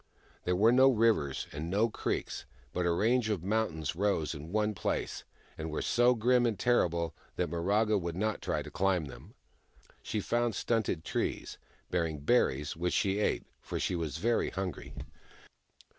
There were no rivers, and no creeks, but a range of mountains rose in one place, and were so grim and terrible that Miraga would not try to climb them. She found stunted trees, bearing berries, which she ate, for she was very hungry.